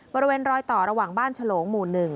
บริเวณรอยต่อระหว่างบ้านฉลงหมู่๑